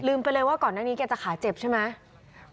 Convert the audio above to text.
ไปเลยว่าก่อนหน้านี้แกจะขาเจ็บใช่ไหม